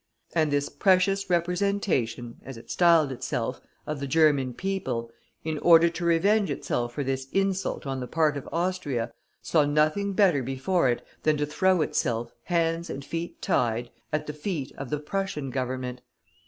And this precious representation, as it styled itself, of the German people, in order to revenge itself for this insult on the part of Austria, saw nothing better before it than to throw itself, hands and feet tied, at the feet of the Prussian Government.